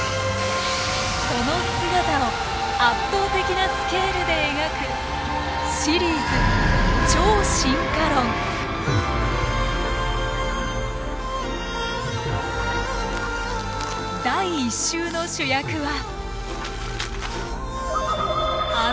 その姿を圧倒的なスケールで描くシリーズ「第１集」の主役は。